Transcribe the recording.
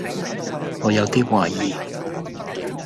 我有啲懷疑